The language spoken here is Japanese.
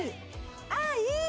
あいい！